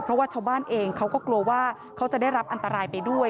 เพราะว่าชาวบ้านเองเขาก็กลัวว่าเขาจะได้รับอันตรายไปด้วย